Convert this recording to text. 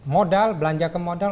modal belanjakan modal